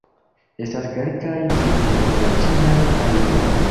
Estas kelkaj tipoj de la ĉina ajlo.